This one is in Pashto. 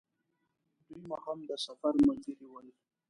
دوی مو هم د سفر ملګري ول.